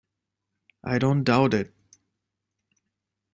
I don't doubt it!